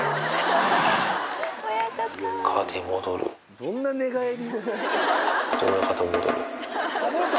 どんな寝返り？